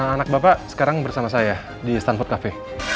anak bapak sekarang bersama saya di stanfort cafe